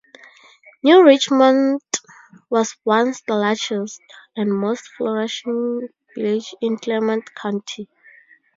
New Richmond was once the largest and most flourishing village in Clermont County.